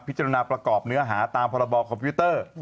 จรณประกอบเนื้อหาตามพรบคอมพิวเตอร์